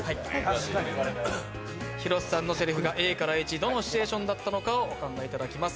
広瀬さんのせりふが、ＡからＨどのシチュエーションだったのかをお考えいただきます。